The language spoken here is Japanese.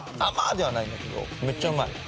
ではないんだけどめっちゃうまい。